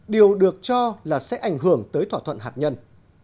điều được cho là sẽ ảnh hưởng tới thỏa thuận hạt nhân